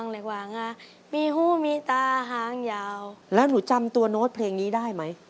แล้วหนูจำตัวโน้ตเพลงนี้ได้ไหม